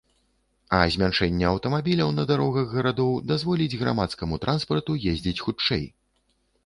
А змяншэнне аўтамабіляў на дарогах гарадоў дазволіць грамадскаму транспарту ездзіць хутчэй.